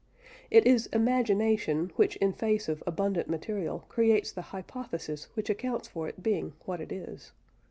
It is imagination which in face of abundant material creates the hypothesis which accounts for it being what it is.